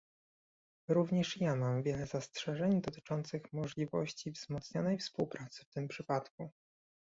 Również i ja mam wiele zastrzeżeń dotyczących możliwości wzmocnionej współpracy w tym przypadku